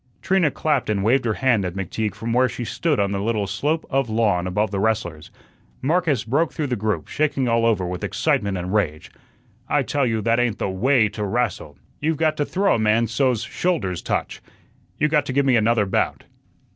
Trina clapped and waved her hand at McTeague from where she stood on the little slope of lawn above the wrestlers. Marcus broke through the group, shaking all over with excitement and rage. "I tell you that ain't the WAY to rastle. You've got to throw a man so's his shoulders touch. You got to give me another bout."